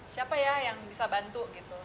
siapa ya yang bisa bantu gitu